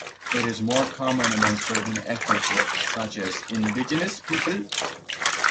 It is more common among certain ethnic groups such as indigenous people.